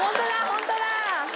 本当だ！